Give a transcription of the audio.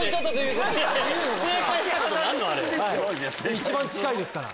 一番近いですから。